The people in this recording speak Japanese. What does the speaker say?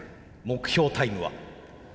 目標タイムは？